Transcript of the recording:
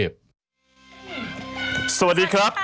สด